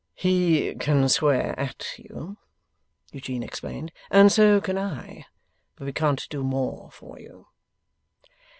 'He can swear AT you,' Eugene explained; 'and so can I. But we can't do more for you.